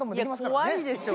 いや怖いでしょ。